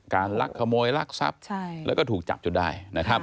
ลักขโมยลักทรัพย์แล้วก็ถูกจับจนได้นะครับ